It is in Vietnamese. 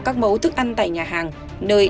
các mẫu thức ăn tại nhà hàng nơi